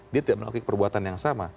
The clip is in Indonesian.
dia tidak melakukan perbuatan yang sama